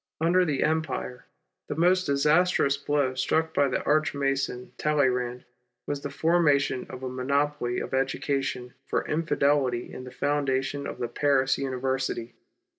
Under the Empire, the most disastrous blow struck by the Arch Mason 1 alleyrand was the formation of a monopoly of education for Infidelity in the foundation of the Paris University.